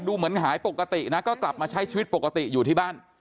เหมือนหายปกตินะก็กลับมาใช้ชีวิตปกติอยู่ที่บ้าน